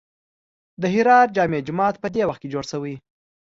د هرات جامع جومات په دې وخت کې جوړ شوی.